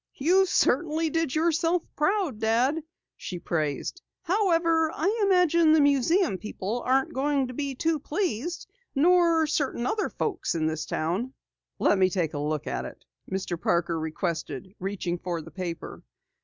"You certainly did yourself proud, Dad," she praised. "However, I imagine the museum people aren't going to be too pleased. Nor certain other folks in this town." "Let me take a look at it," Mr. Parker requested, reaching for the paper.